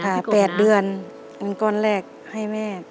ค่ะ๘เดือนเหมือนก้อนแรกให้แม่